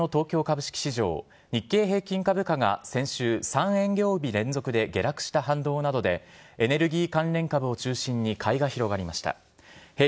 週明けの東京株式市場、日経平均株価が先週、３営業日連続で下落した反動などで、エネルギー関連株を中心に買いが広がりました。